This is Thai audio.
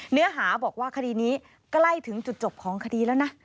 เนื้อหาบอกว่าคดีนี้ใกล้ถึงจุดจบของคดีแล้วนะ